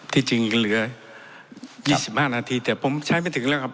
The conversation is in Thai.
ที่จริงเหลือ๒๕นาทีแต่ผมใช้ไม่ถึงแล้วครับ